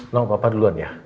loh bapak duluan ya